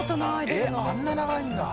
えっあんな長いんだ。